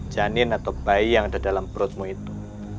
janin atau bayi yang ada dalam perutmu itu